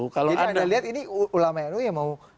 jadi anda lihat ini ulama nu yang mau